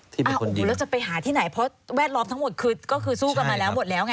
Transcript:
แล้วจะไปหาที่ไหนเพราะแวดล้อมทั้งหมดสู้กันมาแล้วหมดระยะไง